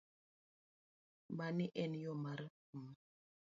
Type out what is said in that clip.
Mani en yo mar m